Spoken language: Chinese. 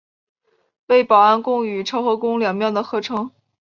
为保安宫与潮和宫两庙的合称。